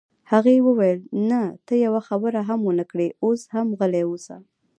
هغې وویل: نه، ته یوه خبره هم ونه کړې، اوس هم غلی اوسه.